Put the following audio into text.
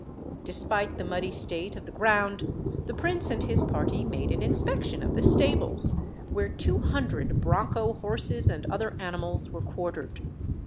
Despite the muddy state of the ground, the prince and his party made an inspection of the stables, where 200 bronco horses and other animals were quartered.